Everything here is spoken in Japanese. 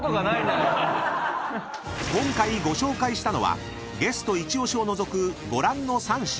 ［今回ご紹介したのはゲスト一押しを除くご覧の３品］